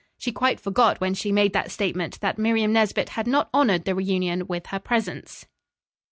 She quite forgot when she made that statement that Miriam Nesbit had not honored the reunion with her presence.